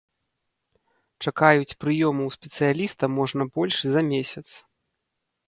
Чакаюць прыёму ў спецыяліста можна больш за месяц.